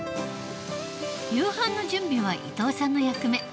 夕飯の準備は伊藤さんの役目。